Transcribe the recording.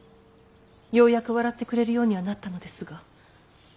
ようやく笑ってくれるようにはなったのですが。